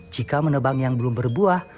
jika menebang yang belum berbuah